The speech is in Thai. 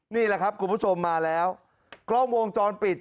นี่แหละครับคุณผู้ชมมาแล้วกล้องวงจรปิด